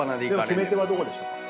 決め手はどこでしたか？